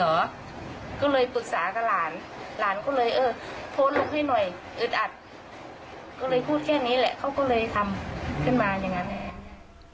ก็เลยปรึกษากับหลานหลานก็เลยเออโพสต์ลุกให้หน่อยอึดอัดก็เลยพูดแค่นี้แหละเขาก็เลยทำขึ้นมาอย่างนั้นนะครับ